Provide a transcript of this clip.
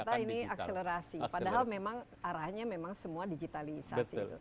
ternyata ini akselerasi padahal memang arahnya memang semua digitalisasi itu